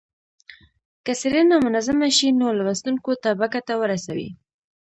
که څېړنه منظمه شي نو لوستونکو ته به ګټه ورسوي.